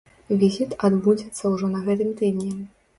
Візіт адбудзецца ўжо на гэтым тыдні.